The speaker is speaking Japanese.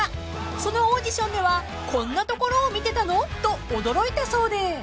［そのオーディションではこんなところを見てたの？と驚いたそうで］